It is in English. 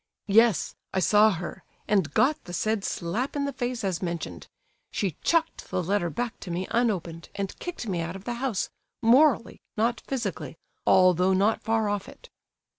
"Yes, I saw her, and got the said slap in the face as mentioned. She chucked the letter back to me unopened, and kicked me out of the house, morally, not physically, although not far off it."